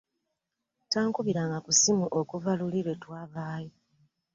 Tankubiranga ku ssimu okuva luli lwe twavaayo.